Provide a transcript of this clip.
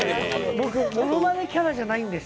僕ものまねキャラじゃないんです。